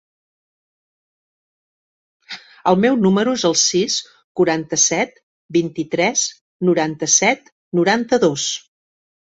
El meu número es el sis, quaranta-set, vint-i-tres, noranta-set, noranta-dos.